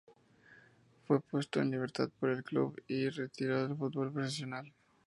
Fue puesto en libertad por el club, y se retiró del fútbol profesional.